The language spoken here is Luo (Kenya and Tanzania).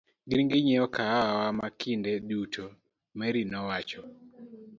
Gin ginyiewo kahawa wa kinde duto, Mary nowacho.